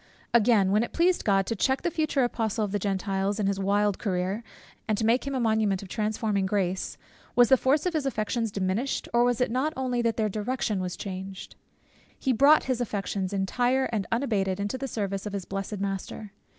Again, when it pleased God to check the future apostle of the Gentiles in his wild career, and to make him a monument of transforming grace; was the force of his affections diminished, or was it not only that their direction was changed? He brought his affections entire and unabated into the service of his blessed Master.